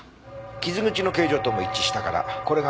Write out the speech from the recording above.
傷口の形状とも一致したからこれが凶器だろうね。